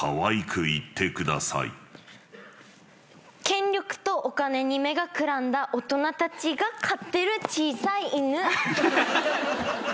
権力とお金に目がくらんだ大人たちがかってる小さい犬。